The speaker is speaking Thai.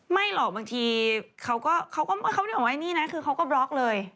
ไม่หรอกบางทีเขาไม่ได้บอกว่านี่นะคือเขาก็บล็อกเลย